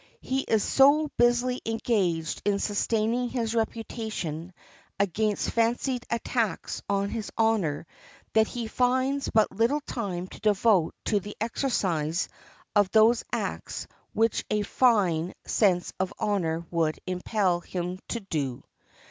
He is so busily engaged in sustaining his reputation against fancied attacks on his honor that he finds but little time to devote to the exercise of those acts which a fine sense of honor would impel him to do.